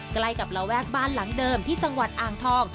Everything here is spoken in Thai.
ใกล้กับระแวกบ้านหลังเดิมที่จังหวัดอ่างทอง